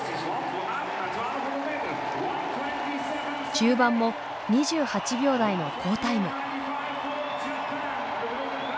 中盤も２８秒台の好タイム。